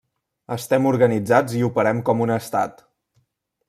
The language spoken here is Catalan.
Estem organitzats i operem com un estat.